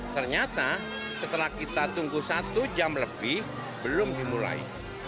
ternyata setelah kita tunggu satu jam lebih belum dimulai